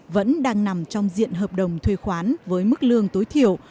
vẫn đang nằm trong diện hợp đồng thuê khoán với mức lương tối thiểu